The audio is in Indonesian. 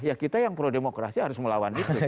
ya kita yang pro demokrasi harus melawan itu